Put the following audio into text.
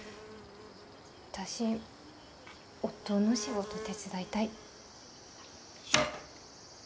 私、おっとうの仕事手伝いたい。